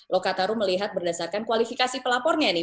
lokataru melihat berdasarkan kualifikasi pelapornya nih